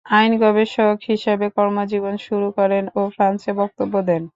আইন গবেষক হিসেবে কর্মজীবন শুরু করেন ও ফ্রান্সে বক্তব্য দেন।